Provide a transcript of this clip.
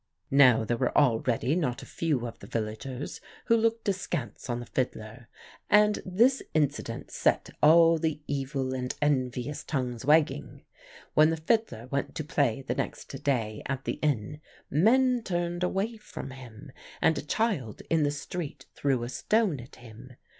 "Now there were already not a few of the villagers who looked askance on the fiddler; and this incident set all the evil and envious tongues wagging. When the fiddler went to play the next day at the inn men turned away from him, and a child in the street threw a stone at him.